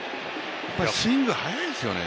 スイング速いですよね。